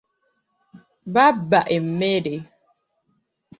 Babba emmere.